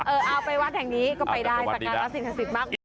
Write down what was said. เอาไปวัดแห่งนี้ก็ไปได้สักการณ์ลักษณะสิทธิ์มาก